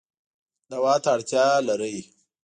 دوا ته اړتیا لرئ